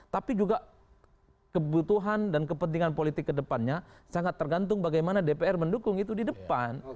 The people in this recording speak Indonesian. tapi juga kebutuhan dan kepentingan politik kedepannya sangat tergantung bagaimana dpr mendukung itu di depan